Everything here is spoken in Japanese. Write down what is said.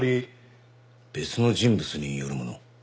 別の人物によるもの？